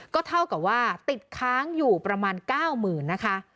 ก็เท่ากับว่าติดค้างอยู่ประมาณ๙๐๐๐นะคะ